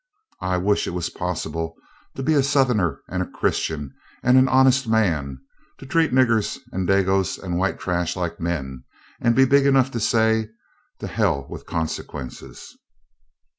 I wish it was possible to be a Southerner and a Christian and an honest man, to treat niggers and dagoes and white trash like men, and be big enough to say, 'To Hell with consequences!'"